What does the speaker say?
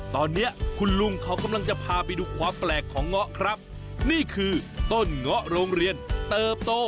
ตอนนี้คุณลุงเขากำลังจะพาไปดูความแปลกของเงาะครับนี่คือต้นเงาะโรงเรียนเติบโต